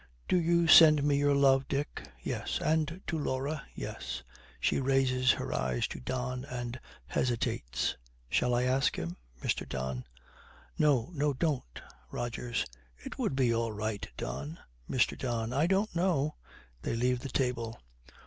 Do you send me your love, Dick? Yes. And to Laura? Yes.' She raises her eyes to Don, and hesitates. 'Shall I ask him ?' MR. DON. 'No, no, don't.' ROGERS. 'It would be all right, Don.' MR. DON. 'I don't know.' They leave the table.